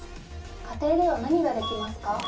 家庭では何ができますか？